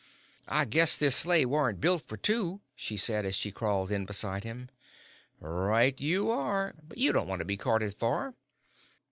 "I guess this sleigh warn't built for two," she said, as she crawled in beside him. "Right you are; but you don't want to be carted far."